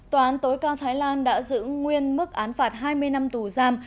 tòa án tối cao thái lan đã giữ nguyên mức án phạt hai mươi năm tù giam